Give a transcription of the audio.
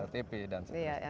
pltp dan sebagainya